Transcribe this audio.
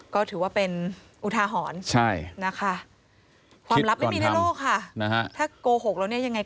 ก็ถือว่าเป็นอุทาหรณ์นะคะความลับไม่มีในโลกค่ะถ้าโกหกแล้วเนี่ยยังไง